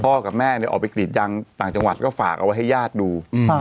กับแม่เนี่ยออกไปกรีดยางต่างจังหวัดก็ฝากเอาไว้ให้ญาติดู